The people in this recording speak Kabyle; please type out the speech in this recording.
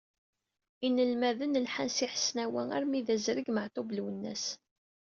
Inelmaden lḥan si Hesnawa armi d azreg Meεtub Lwennas.